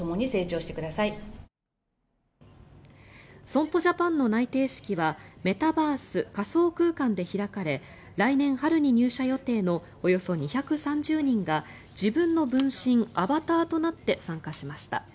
損保ジャパンの内定式はメタバース・仮想空間で開かれ来年春に入社予定のおよそ２３０人が自分の分身、アバターとなって参加しました。